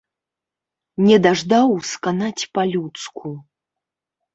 Не даждаў сканаць па-людску.